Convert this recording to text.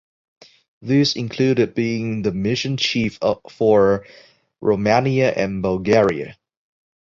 These included being the Mission Chief for Romania and Bulgaria.